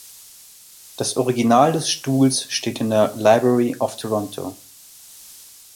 Das Original des Stuhls steht in der Library of Toronto.